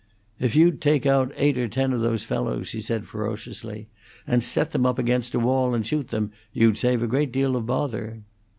"If you'd take out eight or ten of those fellows," he said, ferociously, "and set them up against a wall and shoot them, you'd save a great deal of bother."